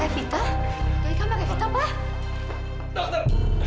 evita aku gak tau aku gak tau aku gak tau